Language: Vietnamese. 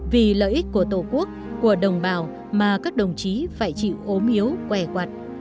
vì lợi ích của tổ quốc của đồng bào mà các đồng chí phải chịu ốm yếu què quạt